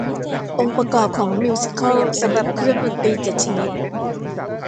องค์ประกอบของมิวสิคัลสำหรับเครื่องดนตรีเจ็ดชนิด